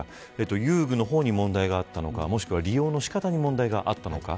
遊具の方に問題があったのかもしくは、利用の仕方に問題があったのか。